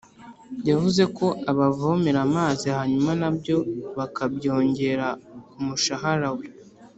yavuze ko abavomera amazi hanyuma nabyo bakabyongera kumushahara we